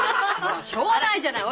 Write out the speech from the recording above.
しょうがないじゃない。